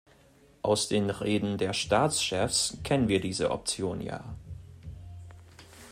Aus den Reden der Staatschefs kennen wir diese Option ja.